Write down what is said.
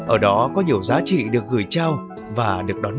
ở đó có nhiều giá trị được gửi trao và được đón nhận